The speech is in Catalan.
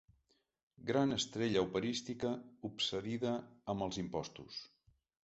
Gran estrella operística obsedida amb els impostos.